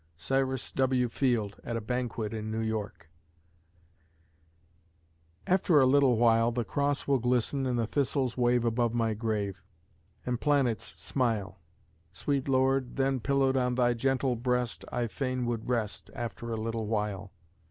CYRUS W. FIELD (At a banquet in New York) After a little while The cross will glisten and the thistles wave Above my grave; And planets smile. Sweet Lord, then pillowed on thy gentle breast, I fain would rest, After a little while.